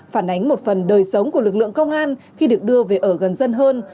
phản ánh một phần đời sống của lực lượng công an khi được đưa về ở gần dân hơn